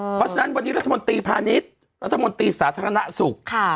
เพราะฉะนั้นวันนี้รัฐมนตรีพาณิชย์รัฐมนตรีสาธารณสุข